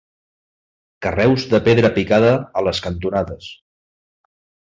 Carreus de pedra picada a les cantonades.